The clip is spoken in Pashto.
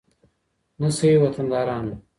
نه سئ وطندارانو